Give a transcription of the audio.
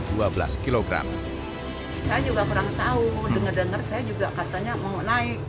saya juga kurang tahu dengar dengar saya juga katanya mau naik